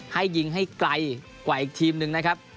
ให้ยิงให้ไกลกว่าอีกทีมหนึ่งนะครับ